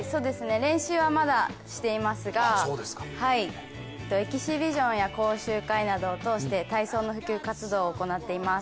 練習はまだしていますがエキシビションや講習会などを通して体操の普及活動を行っています。